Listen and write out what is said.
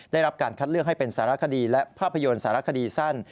ได้รับการคัดเลือกให้เป็นสารคดีและภาพยนตร์สารคดีสั้น